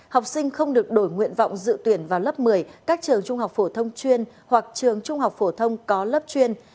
học sinh không được đổi nguyện vọng dự tuyển vào lớp một mươi các trường trung học phổ thông chuyên hoặc trường trung học phổ thông có lớp chuyên